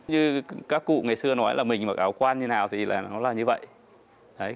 như các cụ ngày xưa nói là mình mặc áo quan như thế nào thì nó là như vậy